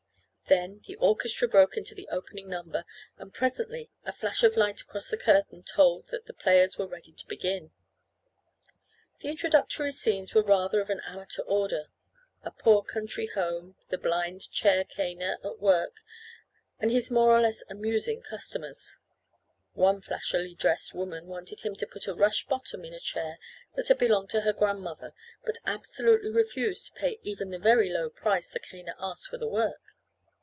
Then the orchestra broke into the opening number, and presently a flash of light across the curtain told that the players were ready to begin. The introductory scenes were rather of an amateur order—a poor country home—the blind chair caner at work, and his more or less amusing customers. One flashily dressed woman wanted him to put a rush bottom in a chair that had belonged to her grandmother, but absolutely refused to pay even the very low price the caner asked for the work.